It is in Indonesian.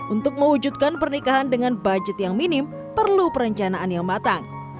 untuk mewujudkan pernikahan dengan budget yang minim perlu perencanaan yang matang